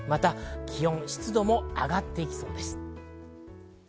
気温・湿度も上がってきそうです。